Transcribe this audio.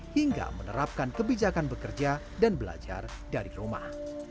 hingga menerapkan kebijakan bekerja dan belajar dari rumah